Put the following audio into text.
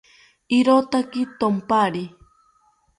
Irotaki thonpari